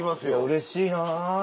うれしいな。